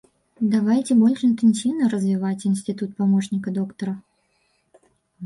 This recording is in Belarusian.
Давайце больш інтэнсіўна развіваць інстытут памочніка доктара.